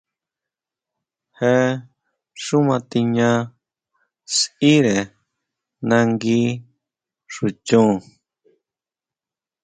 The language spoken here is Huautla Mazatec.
Je xú matiña sʼíre nangui xu chon.